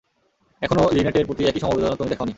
এখনও লিনেটের প্রতি একই সমবেদনা তুমি দেখাওনি।